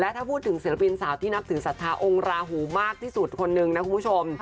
ถ้าพูดถึงศิลปินสาวที่นับถือศรัทธาองค์ราหูมากที่สุดคนนึงนะคุณผู้ชม